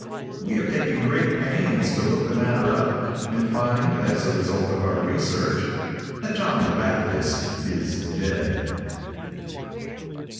We have taken great pains to look the matter up, and find, as a result of our research, that John the Baptist is dead.